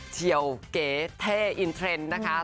เชี่ยวเก๋เท่อินเทรนด์นะคะ